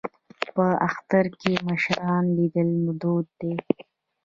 په اختر کې د مشرانو لیدل دود دی.